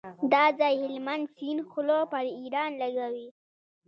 دا ځای هلمند سیند خوله پر ایران لګوي.